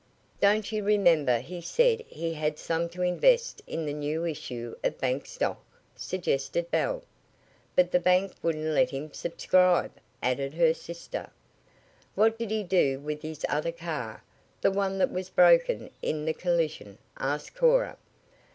"Don't you remember he said he had some to invest in the new issue of bank stock?" suggested Belle. "But the bank wouldn't let him subscribe," added her sister. "What did he do with his other car the one that was broken in the collision?" asked Cora.